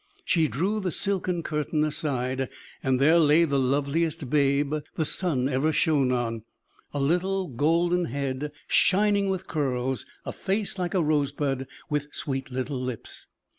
She drew the silken curtain aside, and there lay the loveliest babe the sun ever shone on a little, golden head, shining with curls a face like a rosebud, with sweet little lips.